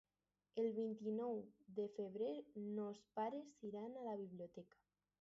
El vint-i-nou de febrer mons pares iran a la biblioteca.